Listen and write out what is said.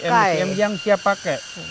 sdm sdm yang siap pakai